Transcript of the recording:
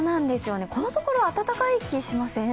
このところ暖かい気がしません？